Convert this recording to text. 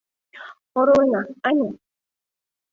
Оролена, ане...